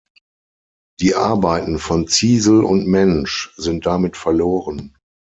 Die Arbeiten von Ziesel und Mensch sind damit verloren.